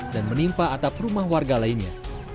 dan menimpa atap rumah warga lainnya